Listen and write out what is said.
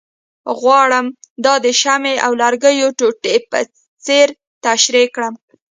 غواړم دا د شمعې او لرګیو ټوټې په څېر تشریح کړم،